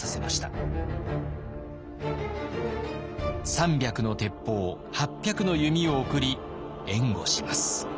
３００の鉄砲８００の弓を送り援護します。